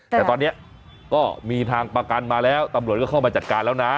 แต่ตอนนี้ก็มีทางประกันมาแล้วตำรวจก็เข้ามาจัดการแล้วนะ